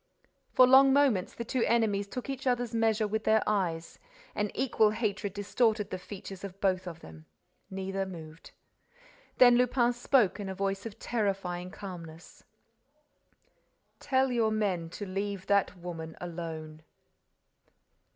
For long moments, the two enemies took each other's measure with their eyes. An equal hatred distorted the features of both of them. Neither moved. Then Lupin spoke, in a voice of terrifying calmness: "Tell your men to leave that woman alone."